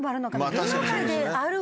芸能界で。